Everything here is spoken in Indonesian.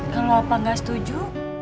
kalau apa gak setuju